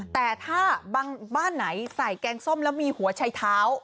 แต่ถ้าบางบ้านไหนใส่แกงส้มแล้วมีหัวชัยเท้า